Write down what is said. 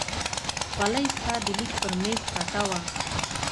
خولۍ ستا د لیک پر مېز پرته وه.